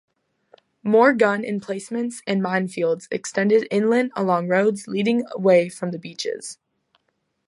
More gun emplacements and minefields extended inland along roads leading away from the beaches.